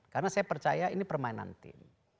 karena saya percaya ini permainan tim